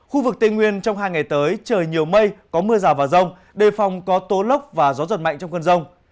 khu vực tây nguyên trong hai ngày tới trời nhiều mây có mưa rào và rông đề phòng có tố lốc và gió giật mạnh trong cơn rông